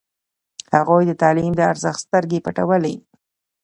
هغوی د تعلیم د ارزښت سترګې پټولې.